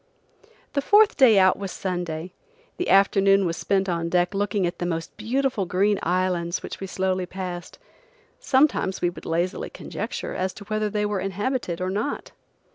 The fourth day out was Sunday. The afternoon was spent on deck looking at the most beautiful green islands which we slowly passed. Sometimes we would lazily conjecture as to whether they were inhabited or not.